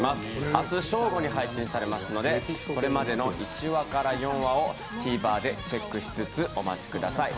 明日正午に配信されますのでそれまでの１話から４話をＴＶｅｒでチェックしつつ、お待ちください。